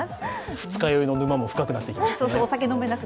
二日酔いの沼も深くなっていきますしね。